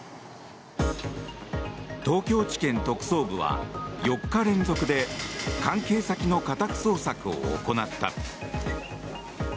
東京地検特捜部は４日連続で関係先の家宅捜索を行った。